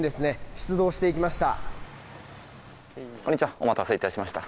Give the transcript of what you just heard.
出動していきました。